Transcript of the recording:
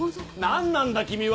何なんだ君は！